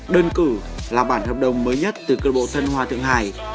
đơn cử là bản hợp đồng mới nhất từ cơ độc bộ thân hòa thượng hải